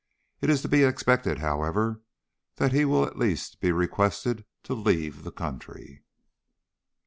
It is to be expected, however, that he will at least be requested to leave the country.